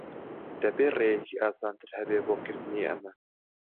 دەبێت ڕێیەکی ئاسانتر ھەبێت بۆ کردنی ئەمە.